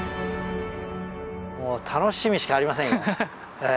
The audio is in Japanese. もう楽しみしかありませんよ。